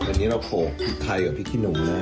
อันนี้เราโผล่ไทยกับพี่คิดงงได้